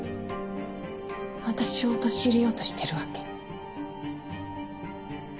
私を陥れようとしてるわけ？